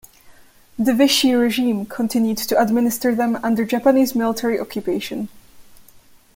The Vichy regime continued to administer them under Japanese military occupation.